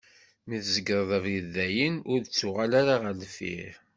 Mi tzegreḍ abrid dayen, ur d-ttuɣal ara ɣer deffir.